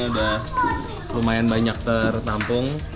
udah lumayan banyak tertampung